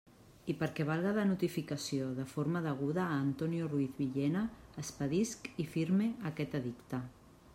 I perquè valga de notificació de forma deguda a Antonio Ruiz Villena, expedisc i firme aquest edicte.